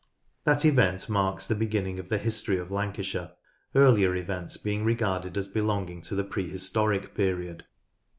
That event marks the beginning of the history of Lancashire, earlier events being regarded as belonging to the prehistoric period.